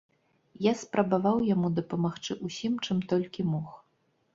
Я спрабаваў яму дапамагчы ўсім, чым толькі мог.